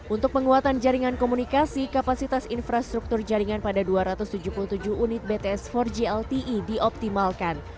untuk penguatan jaringan komunikasi kapasitas infrastruktur jaringan pada dua ratus tujuh puluh tujuh unit bts empat g lte dioptimalkan